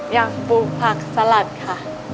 อยากปลูกผักสลัดค่ะ